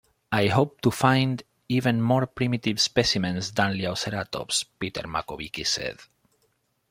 I hope to find even more primitive specimens than "Liaoceratops"," Peter Makovicky said.